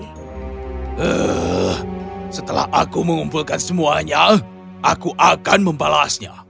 eh setelah aku mengumpulkan semuanya aku akan membalasnya